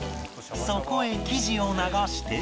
そこへ生地を流して